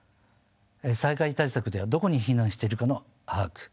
災害対策ではどこに避難しているかの把握。